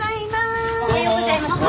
おはようございます。